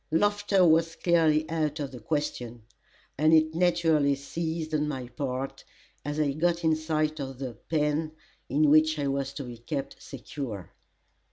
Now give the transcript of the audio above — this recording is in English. Laughter was clearly out of the question, and it naturally ceased on my part, as I got in sight of the "pen" in which I was to be kept secure.